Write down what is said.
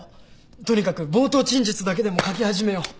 とにかく冒頭陳述だけでも書き始めよう。